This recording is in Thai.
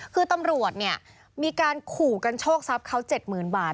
คือตำรวจเนี่ยมีการขู่กันโชคทรัพย์เขา๗๐๐๐บาท